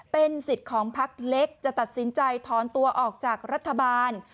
เป็นสิทธิ์ของพักเล็กจะตัดสินใจถอนตัวออกจากรัฐบาล